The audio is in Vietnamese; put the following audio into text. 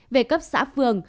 về cấp xã phường